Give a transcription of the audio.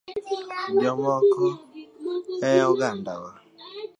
Mar ariyo, jomoko e ogandawa